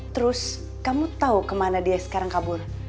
terus kamu tahu kemana dia sekarang kabur